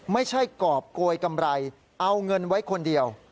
ไม่ใช่กรอบโกยกำไรเอาเงินไว้คนเดียว